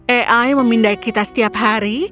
ai memindai kita setiap hari